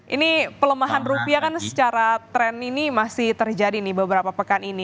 ini pelemahan rupiah kan secara tren ini masih terjadi nih beberapa pekan ini